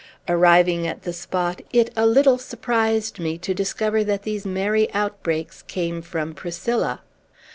Arriving at the spot, it a little surprised me to discover that these merry outbreaks came from Priscilla.